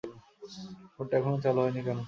ফোনটা এখনো চালু হয়নি কেন?